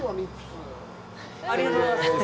ありがとうございます。